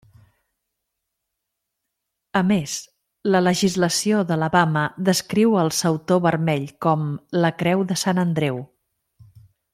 A més, la legislació d'Alabama descriu el sautor vermell com la creu de Sant Andreu.